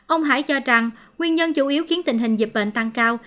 ông hải cho rằng nguyên nhân chủ yếu khiến tình hình dịch bệnh tăng cao